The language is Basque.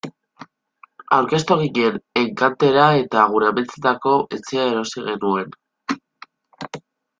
Aurkeztu ginen enkantera eta gure ametsetako etxea erosi genuen.